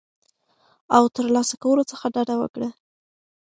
او ترلاسه کولو څخه ډډه وکړه